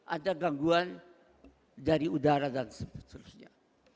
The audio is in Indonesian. ada gangguan dari udara dan seterusnya